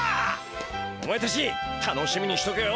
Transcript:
お前たち楽しみにしとけよ！